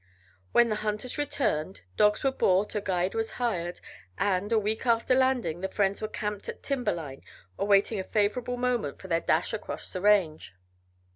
When the hunters returned, dogs were bought, a guide was hired, and, a week after landing, the friends were camped at timber line awaiting a favorable moment for their dash across the range.